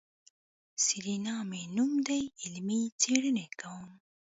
سېرېنا مې نوم دی علمي څېړنې کوم.